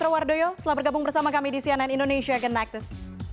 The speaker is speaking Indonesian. terima kasih mbak mardoyo selamat bergabung bersama kami di cnn indonesia connected